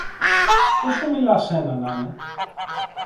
Ποιος σου μιλά σένα, νάνε;